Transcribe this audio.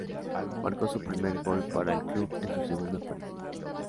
Marcó su primer gol para el club en su segunda aparición.